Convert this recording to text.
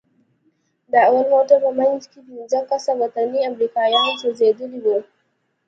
د اول موټر په منځ کښې پنځه کسه وطني امريکايان سوځېدلي وو.